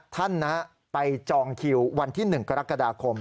ท่านไปจองคิววันที่๑กรกฎาคม